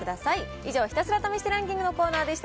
以上、ひたすら試してランキングのコーナーでした。